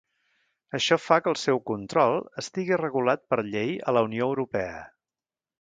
Això fa que el seu control estigui regulat per llei a la Unió Europea.